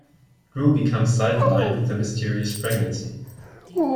Drew becomes sidelined with a mysterious pregnancy.